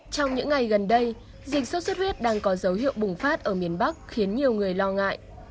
trong những ngày gần đây dịch sốt xuất huyết đang có dấu hiệu bùng phát ở miền bắc khiến nhiều người lo ngại